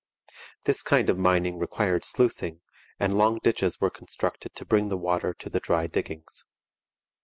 This kind of mining required sluicing, and long ditches were constructed to bring the water to the dry diggings.